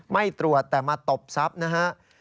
ไม่ตรวจแต่มาตบซับนะฮะ